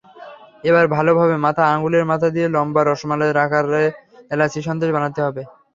এবার ভালোভাবে মথে আঙুলের মাথা দিয়ে লম্বা রসমালাইয়ের আকারে এলাচি সন্দেশ বানাতে হবে।